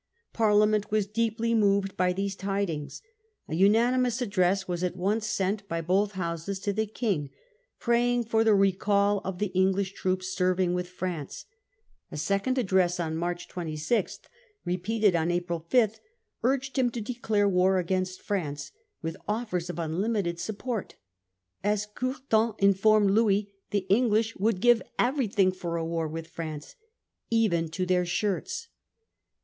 Parliament was deeply moved by these tidings. A unanimous address was at once ^ent by both Houses to Charles the King praying for the recall of the English Parliament troo P s serv * n & w *th France. A second address to instant on March 26, repeated on April 5, urged him war * to declare war against F ranee, with offers of unlimited support. As Courtin informed Louis, the English would give everything for a war with France, ' even to their shirts.